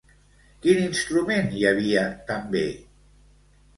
Quin instrument hi havia també?